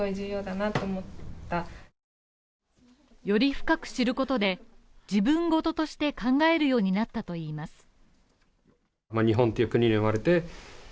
より深く知ることで、自分ごととして考えるようになったといいます。